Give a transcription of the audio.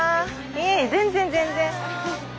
いえいえ全然全然。